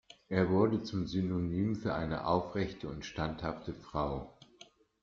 Er wurde zum Synonym für eine aufrechte und standhafte Frau.